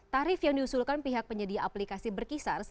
tarif yang diusulkan pihak penyedia aplikasi berkisar